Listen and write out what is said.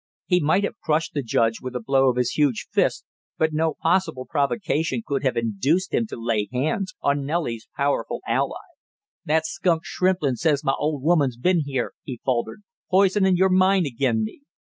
He might have crushed the judge with a blow of his huge fist, but no possible provocation could have induced him to lay hands on Nellie's powerful ally. "That skunk Shrimplin says my old woman's been here," he faltered, "poisonin' your mind agin me!"